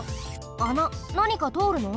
穴なにかとおるの？